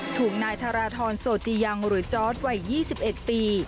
ถูกนายธาราธรโสติยังหรือจอร์ดวัย๒๑ปี